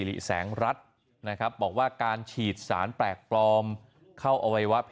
แล้วถ้าคุณหมอขอให้ตัดตัดไหม